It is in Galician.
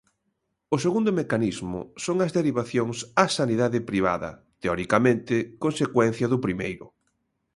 O segundo mecanismo son as derivacións á sanidade privada, teoricamente consecuencia do primeiro.